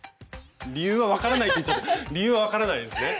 理由は分からないって理由は分からないですね？